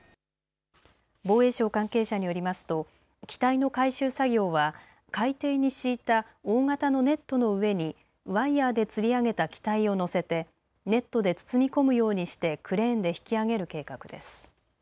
防衛省関係者によりますと機体の回収作業は海底に敷いた大型のネットの上にワイヤーでつり上げた機体を載せてネットで包み込むようにしてクレーンで引き揚げる計画です。